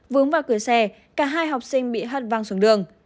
vướng vào cửa xe cả hai học sinh bị hất văng xuống đường